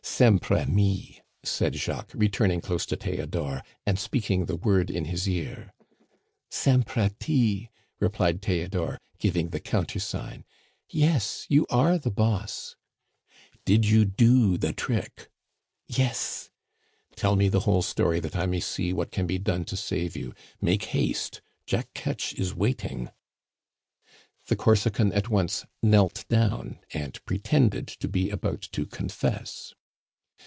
"Sempre mi," said Jacques, returning close to Theodore, and speaking the word in his ear. "Sempre ti," replied Theodore, giving the countersign. "Yes, you are the boss " "Did you do the trick?" "Yes." "Tell me the whole story, that I may see what can be done to save you; make haste, Jack Ketch is waiting." The Corsican at once knelt down and pretended to be about to confess.